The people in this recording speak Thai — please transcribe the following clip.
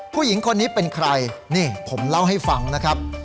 ผู้หญิงคนนี้เป็นใครนี่ผมเล่าให้ฟังนะครับ